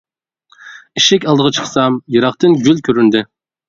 ئىشىك ئالدىغا چىقسام، يىراقتىن گۈل كۆرۈندى.